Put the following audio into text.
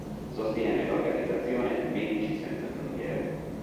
Sostiene l'organizzazione Medici Senza Frontiere.